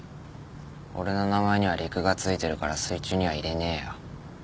俺の名前には陸がついてるから水中にはいれねえよ。